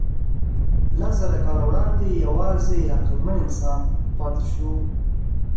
لسزره کاله وړاندې یواځې عقلمن انسان پاتې شو.